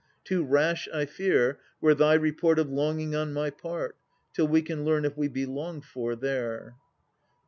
Too rash, I fear, Were thy report of longing on my part, Till we can learn if we be longed for there.